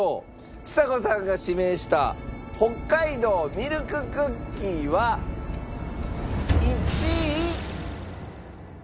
ちさ子さんが指名した北海道ミルククッキーは１位。